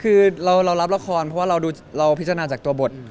คือเรารับละครเพราะว่าเราพิจารณาจากตัวบท